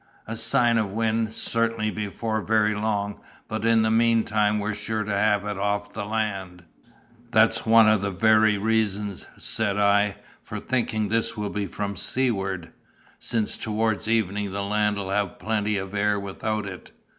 A sign of wind, certainly, before very long; but in the meantime we're sure to have it off the land.' 'That's one of the very reasons,' said I, 'for thinking this will be from seaward—since towards evening the land'll have plenty of air without it!